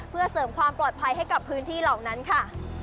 เพื่อเสริมความปลอดภัยให้กับพื้นที่เหล่านั้นค่ะ